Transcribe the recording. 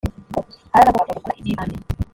haragombaga gukora ibyibanze